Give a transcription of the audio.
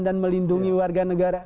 dan melindungi warga negara